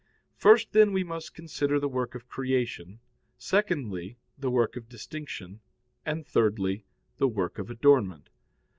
First, then, we must consider the work of creation; secondly, the work of distinction; and thirdly, the work of adornment.